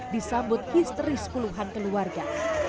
disambut histeris puluhan keluarga